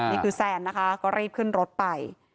นี่คือแซนนะคะก็รีบขึ้นรถไป